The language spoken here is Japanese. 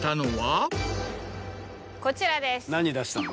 こちらです。